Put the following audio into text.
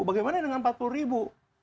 bagaimana dengan empat puluh ribu